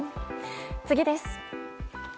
次です。